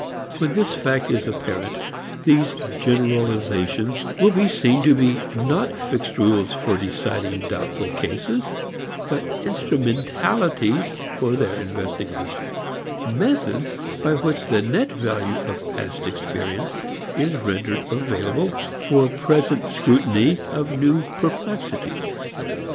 When this fact is apparent, these generalizations will be seen to be not fixed rules for deciding doubtful cases, but instrumentalities for their investigation, methods by which the net value of past experience is rendered available for present scrutiny of new perplexities.